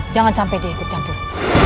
jangan sampai dia tercampur